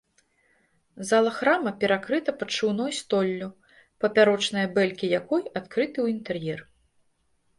Зала храма перакрыта падшыўной столлю, папярочныя бэлькі якой адкрыты ў інтэр'ер.